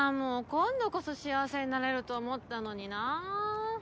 今度こそ幸せになれると思ったのになぁ。